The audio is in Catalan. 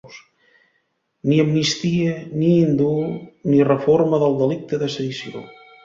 Ni amnistia, ni indult, ni reforma del delicte de sedició.